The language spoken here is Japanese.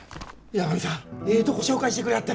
八神さんええとこ紹介してくれはった。